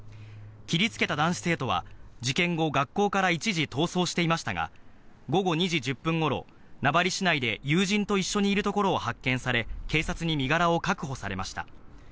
切りつけた男子生徒は、事件後、学校から一時逃走していましたが、午後２時１０分ごろ、名張市内で友人と一緒にいるところを発見され、警察に身柄を確保されました。